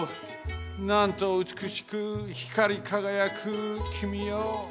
なんとうつくしくひかりかがやくきみよ！